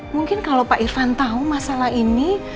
mungkin kalau pak irfan tahu masalah ini